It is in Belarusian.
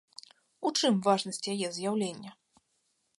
У чым важнасць яе з'яўлення?